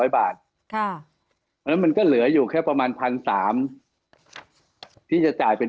๑๒๐๐บาทมันก็เหลืออยู่แค่ประมาณ๑๓๐๐ที่จะจ่ายเป็น